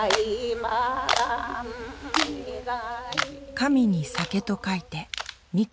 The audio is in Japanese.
神に酒と書いて「神酒」。